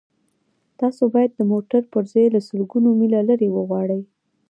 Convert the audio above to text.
تاسو باید د موټر پرزې له سلګونه میله لرې وغواړئ